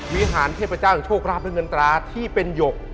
วิหารเทพเจ้าโชคราบและเงินตราที่เป็นหยก